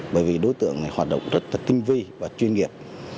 bởi vì đối tượng này hoạt động rất là tinh vi và chuyên nghiệp